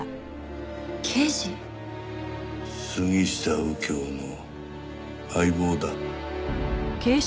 杉下右京の相棒だ。